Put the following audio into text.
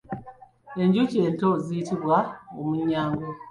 Enjuki ento ziyitibwa Omunyago.